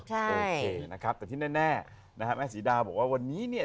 โอเคนะครับแต่ที่แน่นะฮะแม่ศรีดาบอกว่าวันนี้เนี่ย